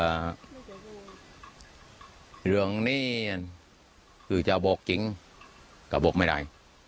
เรื่องนี้คือจะบอกจริงก็บอกไม่ได้